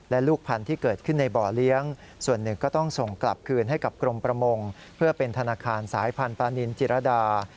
และลูกพันธุ์ที่เกิดขึ้นในบ่อเลี้ยงส่วนหนึ่งก็ต้องส่งกลับคืนให้กับกรมประมงเพื่อเป็นธนาคารสายพันธนินจิรดา